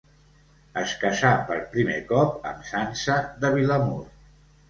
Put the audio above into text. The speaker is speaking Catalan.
Es casà per primer cop amb Sança de Vilamur.